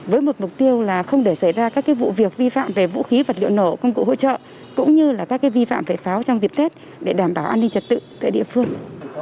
với một mục tiêu là không để xảy ra các vụ việc vi phạm về vũ khí vật liệu nổ công cụ hỗ trợ cũng như là các vi phạm về pháo trong dịp tết để đảm bảo an ninh trật tự tại địa phương